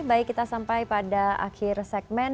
baik kita sampai pada akhir segmen